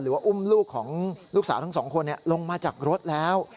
ว่าอุ้มลูกของลูกสาวทั้งสองคนลงมาจากรถแล้ว